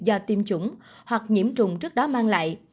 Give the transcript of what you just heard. do tiêm chủng hoặc nhiễm trùng trước đó mang lại